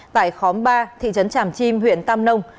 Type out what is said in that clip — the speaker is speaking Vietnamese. tại khóm ba thị trấn tràm chim huyện tam nông